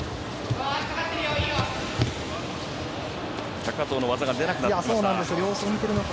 高藤の技が出なくなってきました。